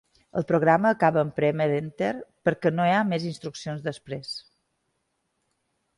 El programa acaba en prémer 'enter' perquè no hi ha més instruccions després.